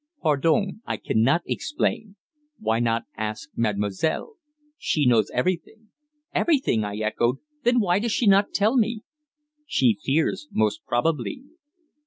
"Pardon. I cannot explain. Why not ask mademoiselle? She knows everything." "Everything!" I echoed. "Then why does she not tell me?" "She fears most probably."